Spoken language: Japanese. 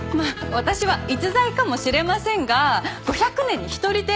私は逸材かもしれませんが５００年に一人程度です。